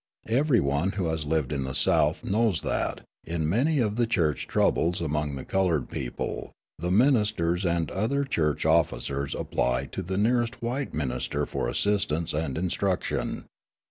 Every one who has lived in the South knows that, in many of the church troubles among the coloured people, the ministers and other church officers apply to the nearest white minister for assistance and instruction.